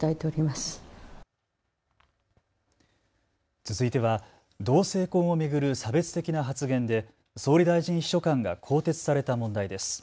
続いては同性婚を巡る差別的な発言で総理大臣秘書官が更迭された問題です。